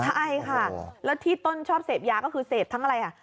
ใช่ค่ะแล้วที่ต้นชอบเสพยาก็คือเสพทั้งอะไรอ่ะ